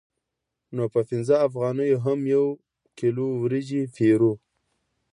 نو په پنځه افغانیو هم یو کیلو وریجې پېرو